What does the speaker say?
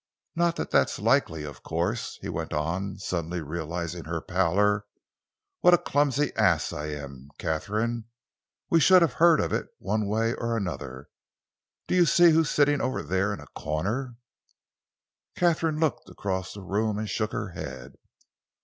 Not that that's likely, of course," he went on, suddenly realising her pallor. "What a clumsy ass I am, Katharine! We should have heard of it one way or another. Do you see who's sitting over there in a corner?" Katharine looked across the room and shook her head.